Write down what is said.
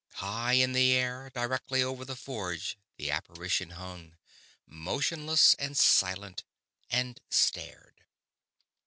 High in the air directly over the forge the apparition hung, motionless and silent, and stared.